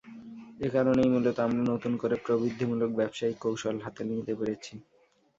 এ কারণেই মূলত আমরা নতুন করে প্রবৃদ্ধিমূলক ব্যবসায়িক কৌশল হাতে নিতে পেরেছি।